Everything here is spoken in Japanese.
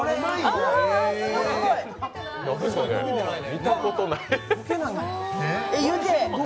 見たことない。